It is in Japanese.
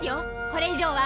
これ以上は。